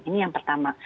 ini yang pertama